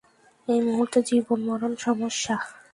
এই মুহূর্তে জীবন মরণ সমস্যা।